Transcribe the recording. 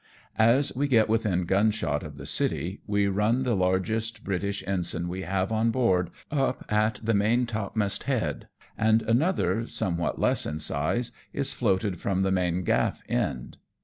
As we get within gunshot of the city, we run the largest British ensign we have on board up at the main topmast head, and another, somewhat less in size, is floated from the main gaff end.